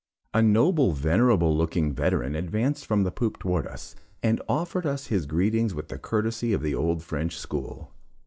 A noble, venerable looking veteran advanced from the poop towards us, and offered his greetings with the courtesy of the old French school.